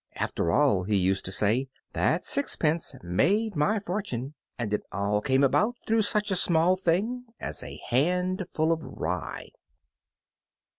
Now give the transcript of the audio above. "After all," he used to say, "that sixpence made my fortune. And it all came about through such a small thing as a handful of rye!"